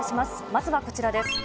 まずはこちらです。